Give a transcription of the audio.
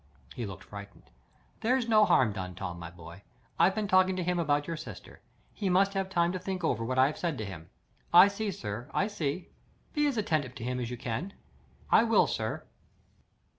He looked frightened. "There's no harm done, Tom, my boy. I've been talking to him about your sister. He must have time to think over what I have said to him." "I see, sir; I see." "Be as attentive to him as you can." "I will, sir."